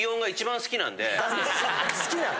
好きなの？